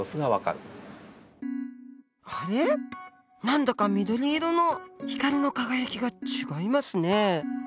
何だか緑色の光の輝きが違いますね。